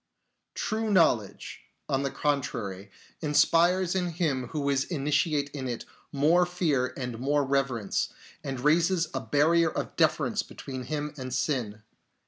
True knowledge, on the contrary, inspires in him who is initiate in it more fear and more reverence, and raises a barrier of defence between 60 "UNTO HIM WE RETURN" him and sin.